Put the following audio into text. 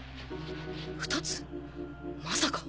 ２つまさか